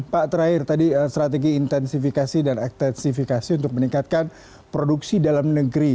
pak terakhir tadi strategi intensifikasi dan ekstensifikasi untuk meningkatkan produksi dalam negeri